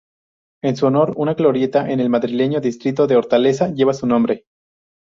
En su honor una glorieta, en el madrileño distrito de Hortaleza, lleva su nombre.